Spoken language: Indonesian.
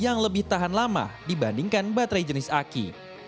yang lebih tahan lama dibandingkan baterai jenis aki